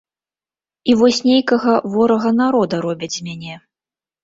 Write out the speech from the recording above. І вось нейкага ворага народа робяць з мяне.